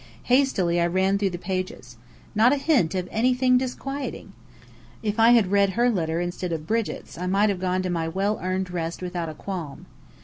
Hastily I ran through the pages. Not a hint of anything disquieting! If I had read her letter instead of Brigit's I might have gone to my well earned rest without a qualm.